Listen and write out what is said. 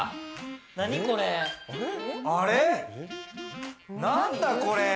あれ、なんだこれ？